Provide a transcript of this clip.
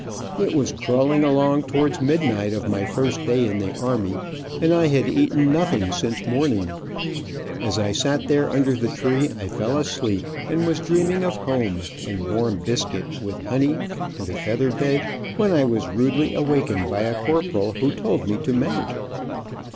It was crawling along towards midnight, of my first day in the army, and I had eaten nothing since morning. As I sat there under the tree I fell asleep, and was dreaming of home, and warm biscuit, with honey, and a feather bed, when I was rudely awakened by a corporal who told me to mount.